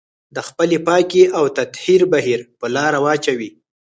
د خپلې پاکي او تطهير بهير په لار واچوي.